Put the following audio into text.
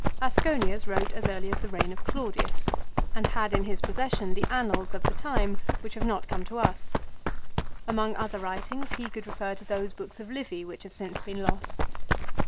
Asconius wrote as early as in the reign of Claudius and F 2 68 LIFE OF CICERO. had in his possession the annals of the time which have not come to us. Among other writings he could refer to those books of Livy which have since been lost.